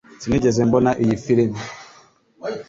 Sinigeze mbona iyi filime